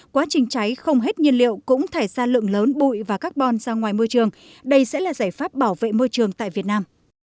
quá trình cháy không hết nhiên liệu cũng thải ra lượng lớn bụi và carbon ra ngoài môi trường đây sẽ là giải pháp bảo vệ môi trường tại việt nam